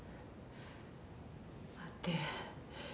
待って。